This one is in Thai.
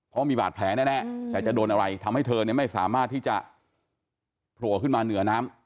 เพราะมีบาดแผลแน่แต่จะโดนอะไรทำให้เธอไม่สามารถที่จะโผล่ขึ้นมาเหนือน้ำ